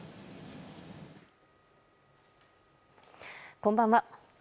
こんばんは。